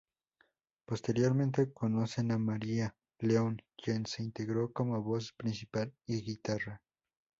Posteriormente conocen a María León quien se integra como voz principal y guitarra.